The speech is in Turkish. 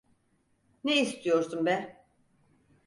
Ne istiyorsun be?